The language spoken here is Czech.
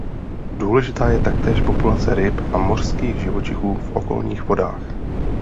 Důležitá je taktéž populace ryb a mořských živočichů v okolních vodách.